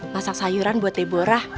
masak sayuran buat debora